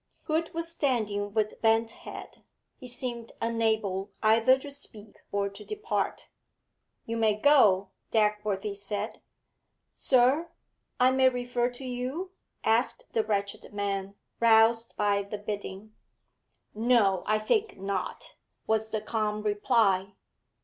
Hood was standing with bent head; he seemed unable either to speak or to depart. 'You may go,' Dagworthy said. 'Sir, I may refer to you?' asked the wretched man, roused by the bidding. 'No, I think not,' was the calm reply.